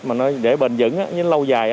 mà nó để bền dững lâu dài